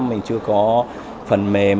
mình chưa có phần mềm